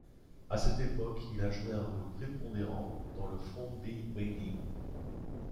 A cette époque, il a joué un rôle prépondérant dans le Frontbeweging.